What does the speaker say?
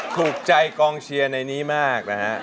ถูกใจก็ง่าย